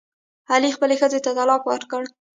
علي خپلې ښځې ته طلاق ورکړ.